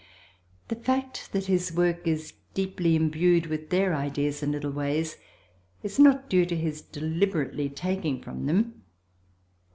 The fact that his work is deeply imbued with their ideas and little ways, is not due to his deliberately taking from them.